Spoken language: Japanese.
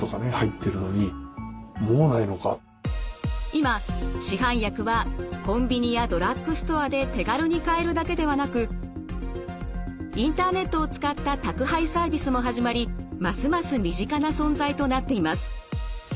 今市販薬はコンビニやドラッグストアで手軽に買えるだけではなくインターネットを使った宅配サービスも始まりますます身近な存在となっています。